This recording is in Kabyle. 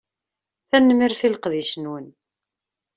Tanemmirt i leqdic-nwen.